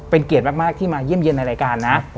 เป็นเกียรติมากที่มาเยี่ยมเยี่ยมในรายการนะ